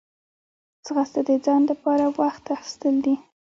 ځغاسته د ځان لپاره وخت اخیستل دي